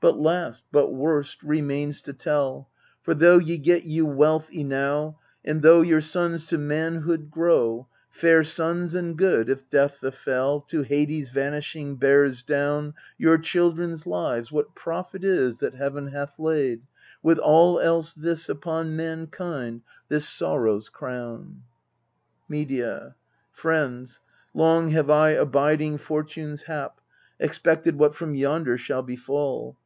But last, but worst, remains to tell : For though ye get you wealth enow, And though your sons to manhood grow, Fair sons and good if Death the fell, To Hades vanishing, bears down Your children's lives, what profit is That Heaven hath laid, with all else, this Upon mankind, this sorrow's crown ? Medea. Friends, long have I, abiding Fortune's hap, Expected what from yonder shall befall.